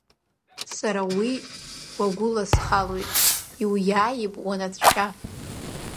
Сара уи уагәыласхалоит, иуиааип уанацәшәа.